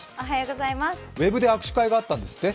ウェブで握手会があったんですって？